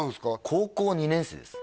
高校２年生です